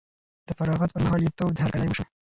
د فراغت پر مهال یې تود هرکلی وشو.